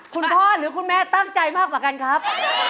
คุณพ่อหรือคุณแม่ตั้งใจมากกว่ากันครับ